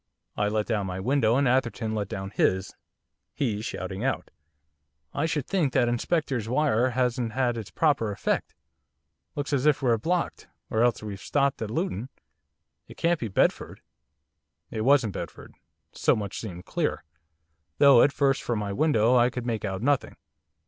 I let down my window and Atherton let down his, he shouting out, 'I should think that Inspector's wire hasn't had it's proper effect, looks as if we're blocked or else we've stopped at Luton. It can't be Bedford.' It wasn't Bedford so much seemed clear. Though at first from my window I could make out nothing.